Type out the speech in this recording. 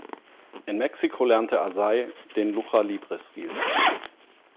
In Mexiko lernte Asai den Lucha Libre-Stil.